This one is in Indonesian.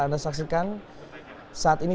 anda saksikan saat ini